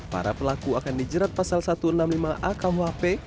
para pelaku akan dijerat pasal satu ratus enam puluh lima a kuhp